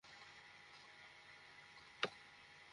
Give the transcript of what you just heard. আমরা পরিকল্পনা করব।